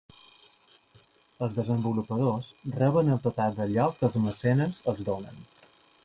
Els desenvolupadors reben el total d'allò que els mecenes els donen.